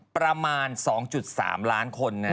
ประมาณ๒๓ล้านคน